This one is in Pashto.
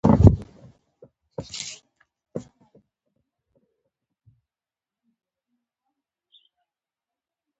ـ چې غل نه اوړي مل دې واوړي .